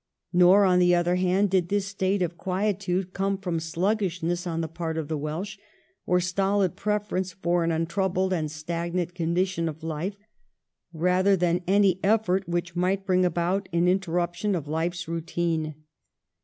Nor, on the other hand, did this state of quietude come from sluggishness on the part of the Welsh, or stolid preference for an untroubled and stagnant condition of life rather than any effort which might bring about an interruption of life's routine.